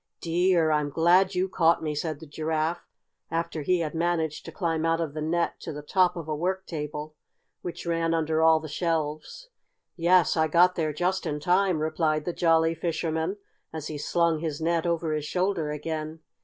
"Dear! I'm glad you caught me," said the Giraffe, after he had managed to climb out of the net to the top of a work table which ran under all the shelves. "Yes, I got there just in time," replied the Jolly Fisherman, as he slung his net over his shoulder again.